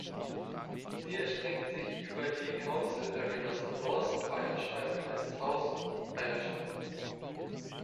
Sie erstreckt sich über die Council Areas North Ayrshire und South Ayrshire.